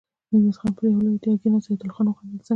ميرويس خان پر يوه لويه تيږه کېناست، سيدال خان وخندل: څنګه!